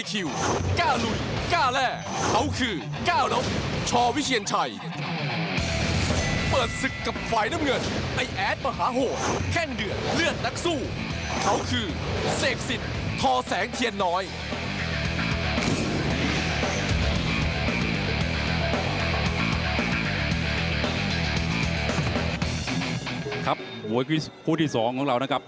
ครับหมวยคุ้นที่สองของเรานะครับ